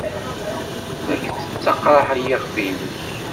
La k-tettaqraḥ yiɣef-nnek?